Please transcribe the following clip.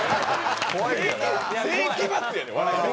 世紀末やねん笑い方が。